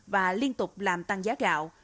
và liên tục làm tăng giá gạo